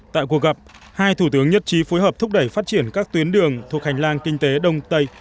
tại cuộc gặp hai thủ tướng nhất trí phối hợp thúc đẩy phát triển các tuyến đường thuộc hành lang kinh tế đông tây